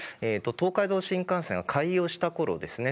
東海道新幹線が開業した頃ですね